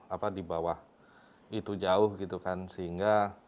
apa di bawah itu jauh gitu kan sehingga